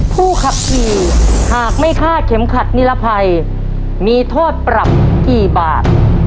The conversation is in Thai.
ผู้ขับขี่หากไม่คาดเข็มขัดนิรภัยมีโทษปรับกี่บาท